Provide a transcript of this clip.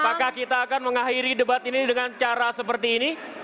apakah kita akan mengakhiri debat ini dengan cara seperti ini